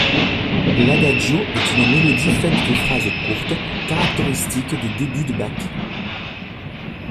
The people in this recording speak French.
L'Adagio est une mélodie faite de phrases courtes, caractéristiques des débuts de Bach.